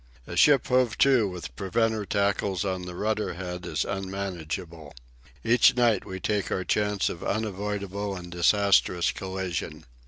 A ship hove to with preventer tackles on the rudder head is unmanageable. Each night we take our chance of unavoidable and disastrous collision.